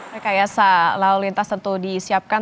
rekayasa lalu lintas tentu disiapkan